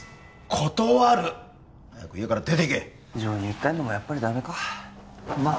断る早く家から出て行け情に訴えんのもやっぱりダメかまあ